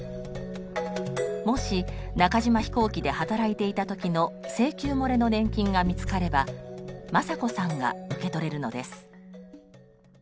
もし中島飛行機で働いていた時の請求もれの年金が見つかれば政子さんが受け取れるのです。